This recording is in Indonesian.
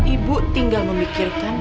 ibu tinggal memikirkan